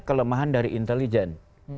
kelemahan dari intelijen